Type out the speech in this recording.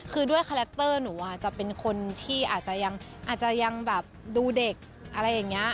คือด้วยคาแรคเตอร์หนูอาจจะเป็นคนที่อาจจะยังแบบดูเด็กอะไรอย่างนี้